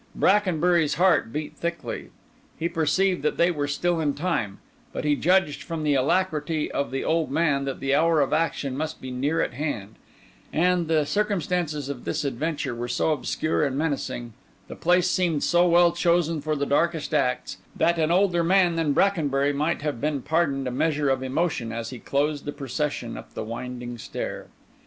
Brackenbury's heart beat thickly. He perceived that they were still in time; but he judged from the alacrity of the old man that the hour of action must be near at hand; and the circumstances of this adventure were so obscure and menacing, the place seemed so well chosen for the darkest acts, that an older man than Brackenbury might have been pardoned a measure of emotion as he closed the procession up the winding stair.